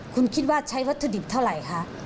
คุณคิดว่าใช้วัตถุดิบเท่าไหร่คะ